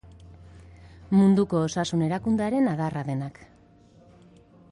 Munduko Osasun Erakundearen adarra denak.